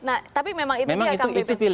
nah tapi memang itu